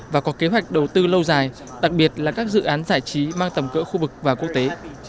và có kế hoạch đầu tư lâu dài đặc biệt là các dự án giải trí mang tầm cỡ khu vực và quốc tế